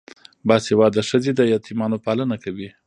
باسواده ښځې د یتیمانو پالنه کوي.